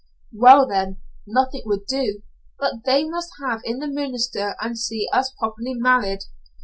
"Well, then, nothing would do, but they must have in the minister and see us properly married.